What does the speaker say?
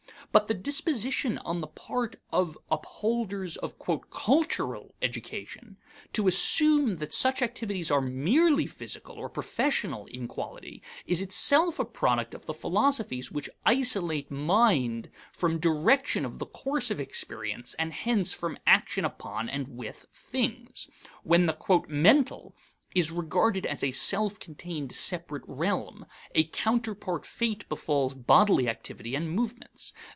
But the disposition on the part of upholders of "cultural" education to assume that such activities are merely physical or professional in quality, is itself a product of the philosophies which isolate mind from direction of the course of experience and hence from action upon and with things. When the "mental" is regarded as a self contained separate realm, a counterpart fate befalls bodily activity and movements.